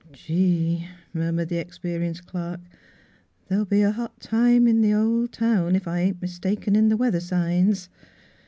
" Gee !" murmured the experienced clerk, " there'll be a hot time in th' ol' town, if I ain't mistaken in the weather signs."